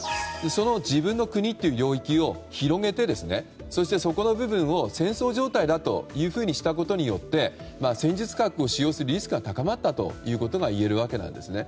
その自分の国という領域を広げてそして、そこの部分を戦争状態だとしたことによって戦術核を使用するリスクが高まったといえるわけなんですね。